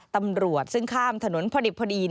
ตำรวจซึ่งข้ามถนนพอดิบพอดี